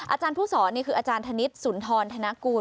อาจารย์ผู้สอนนี่คืออาจารย์ธนิษฐ์สุนทรธนกูล